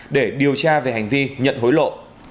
để điều tra về hành vi nhận hối lộ